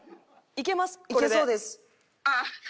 いけそうです。